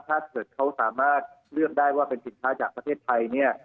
ถ้าเกิดเขาสามารถเลือกได้ว่าเป็นสินค้าจากประเทศไทยเนี่ย